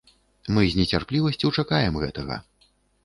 Мы з нецярплівасцю чакаем гэтага.